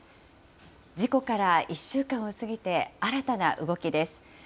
事故から１週間を過ぎて新たな動きです。